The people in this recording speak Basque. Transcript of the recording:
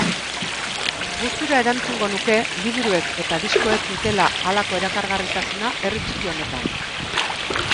Gustura erantzungo nuke, liburuek eta diskoek dutela halako erakargarritasuna herri txiki honetan.